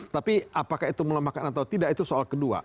tapi apakah itu melemahkan atau tidak itu soal kedua